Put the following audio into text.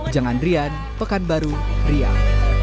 jangan rian pekan baru riau